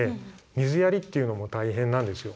水やりっていうのも大変なんですよ。